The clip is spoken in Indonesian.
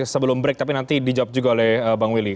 sebelum break tapi nanti dijawab juga oleh bang willy